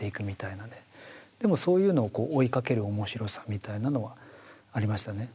でもそういうのをこう追いかける面白さみたいなのはありましたね。